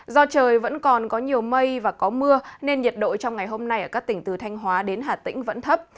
do trời vẫn còn có nhiều mây và có mưa nên nhiệt độ trong ngày hôm nay ở các tỉnh từ thanh hóa đến hà tĩnh vẫn thấp